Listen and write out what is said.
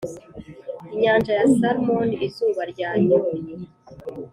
inyanja ya salmon, izuba ryanyoye,